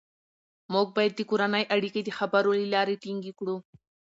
موږ باید د کورنۍ اړیکې د خبرو له لارې ټینګې کړو